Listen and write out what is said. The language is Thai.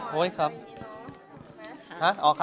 เป็นจิ้นนะคะ